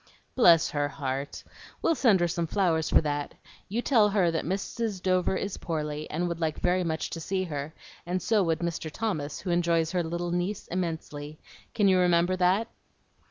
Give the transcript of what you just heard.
"Bless her heart! We'll send her some flowers for that. You tell her that Mrs. Dover is poorly, and would like very much to see her; and so would Mr. Thomas, who enjoys her little niece immensely. Can you remember that?"